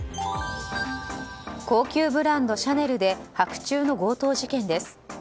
高級ブランド、シャネルで白昼の強盗事件です。